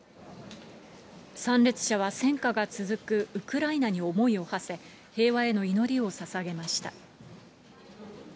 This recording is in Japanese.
参列者は戦火が続くウクライナに思いをはせ、平和への祈りを捧げました。